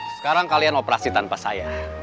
sekarang kalian operasi tanpa saya